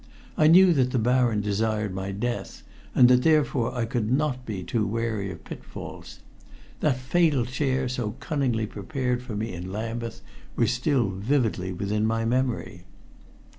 I knew that the Baron desired my death, and that therefore I could not be too wary of pitfalls. That fatal chair so cunningly prepared for me in Lambeth was still vividly within my memory.